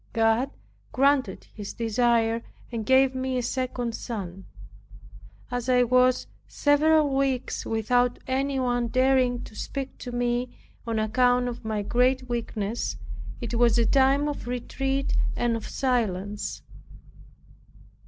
God granted his desire, and gave me a second son. As I was several weeks without any one daring to speak to me, on account of my great weakness, it was a time of retreat and of silence.